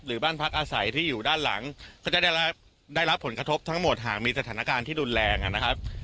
บ้านพักอาศัยที่อยู่ด้านหลังก็จะได้รับผลกระทบทั้งหมดหากมีสถานการณ์ที่รุนแรงนะครับ